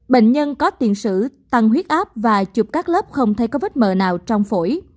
bệnh nhân có tiền sử tăng huyết áp và chụp các lớp không thấy có vết mờ nào trong phổi